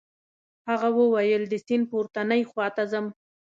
هغه وویل د سیند پورتنۍ خواته ځم.